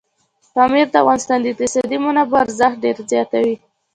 پامیر د افغانستان د اقتصادي منابعو ارزښت ډېر زیاتوي.